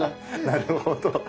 なるほど。